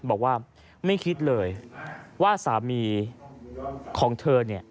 บอกว่าไม่คิดเลยว่าสามีของเธอเนี่ย